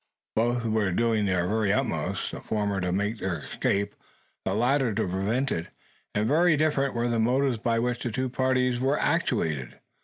Both were doing their very utmost, the former to make their escape, the latter to prevent it; and very different were the motives by which the two parties were actuated.